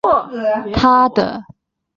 他的名字叫一休。